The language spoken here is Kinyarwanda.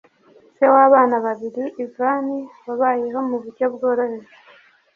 Se w'abana babiri Ivan, wabayeho mu buryo bworoheje